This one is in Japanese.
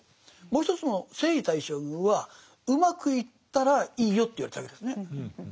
もう一つの征夷大将軍はうまくいったらいいよと言われたわけですね。